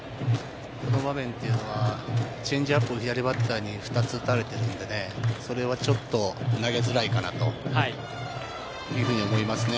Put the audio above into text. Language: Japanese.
この場面というのはチェンジアップを左バッターに２つ打たれてるんで、それはちょっと投げづらいかなというふうに思いますね。